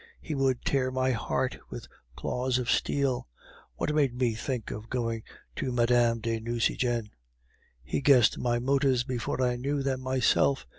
He would tear my heart with claws of steel. What made me think of going to Mme. de Nucingen? He guessed my motives before I knew them myself.